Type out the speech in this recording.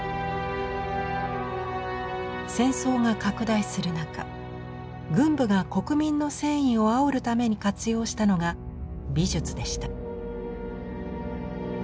戦争が拡大する中軍部が国民の戦意をあおるために活用したのが「美術」でした。